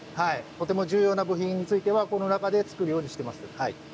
とても重要な部品についてはこの中で作るようにしてます。